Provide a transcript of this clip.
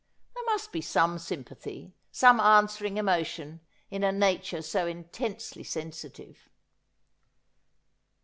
There must be some sympathy, some answering emotion in a nature so intensely sensitive.